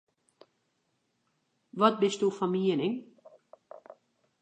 Wat bisto fan miening?